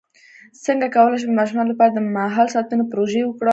څنګه کولی شم د ماشومانو لپاره د ماحول ساتنې پروژې وکړم